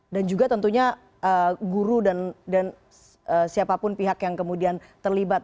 dan juga tentunya guru dan siapapun pihak yang kemudian terlibat